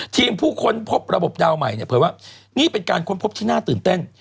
ผู้ค้นพบระบบดาวใหม่เนี่ยเผยว่านี่เป็นการค้นพบที่น่าตื่นเต้น